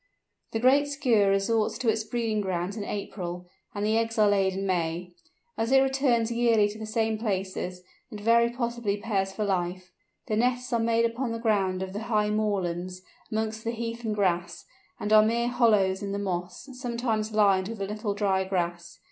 The Great Skua resorts to its breeding grounds in April, and the eggs are laid in May. As it returns yearly to the same places, it very possibly pairs for life. The nests are made upon the ground of the high moorlands, amongst the heath and grass, and are mere hollows in the moss, sometimes lined with a little dry grass.